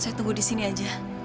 saya tunggu disini aja